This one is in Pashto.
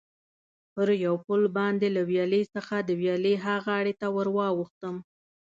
پر یو پل باندې له ویالې څخه د ویالې ها غاړې ته ور واوښتم.